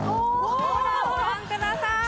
ご覧ください。